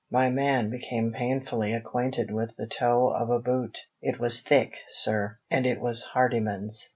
My man became painfully acquainted with the toe of a boot. It was thick, sir; and it was Hardyman's."